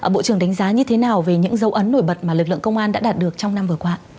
bộ trưởng đánh giá như thế nào về những dấu ấn nổi bật mà lực lượng công an đã đạt được trong năm vừa qua